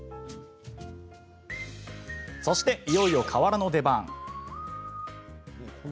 そして、いよいよ瓦の出番。